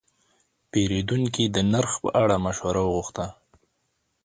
پیرودونکی د نرخ په اړه مشوره وغوښته.